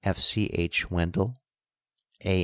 F. C. H. Wendel, a.